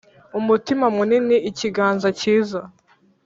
umutima munini, ikiganza cyiza;